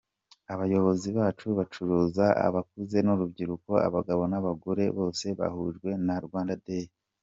Abayobozi, abacuruzi, abakuze n’urubyiruko, abagabo n’abagore, bose bahujwe na Rwanda Day.